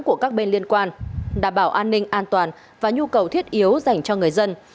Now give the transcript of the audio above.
của các bên liên quan đảm bảo an ninh an toàn và nhu cầu thiết yếu dành cho người dân